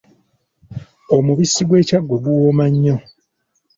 Omubisi gw'e Kyaggwe guwooma nnyo.